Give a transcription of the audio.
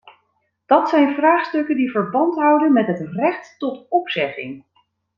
Dat zijn vraagstukken die verband houden met het recht tot opzegging.